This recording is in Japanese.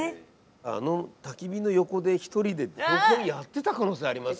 あのたき火の横で一人で標本やってた可能性ありますよ。